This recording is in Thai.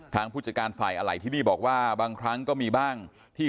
ผู้จัดการฝ่ายอะไหล่ที่นี่บอกว่าบางครั้งก็มีบ้างที่